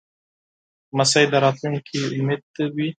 لمسی د راتلونکې امید وي.